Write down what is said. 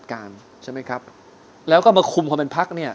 ทุกรอลิขึ้นมาก็จัดการใช่ไหมครับแล้วก็มาคุมความเป็นพรรคเนี้ย